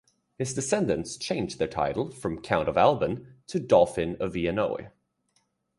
His descendants changed their title from Count of Albon to Dauphin of Viennois.